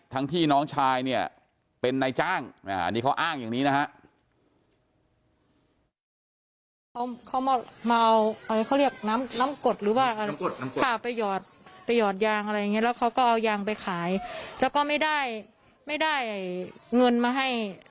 ทั้งที่น้องชายเป็นนายจ้างนี่เขาอ้างอย่างนี้นะฮะ